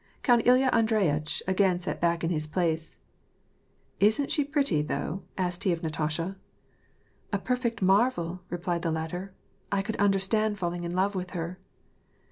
Count Ilya Andreyitch again sat back in his place. *^ Isn't she pretty, though ?" asked he of Natasha. " A perfect marvel," replied the latter. " I could understand falling in love with her."